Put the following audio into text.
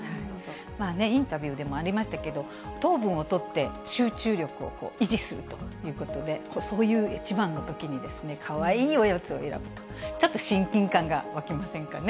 インタビューでもありましたけど、糖分をとって、集中力を維持するということで、そういう一番のときに、かわいいおやつを選ぶと、ちょっと親近感が湧きませんかね。